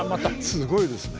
すごいですね。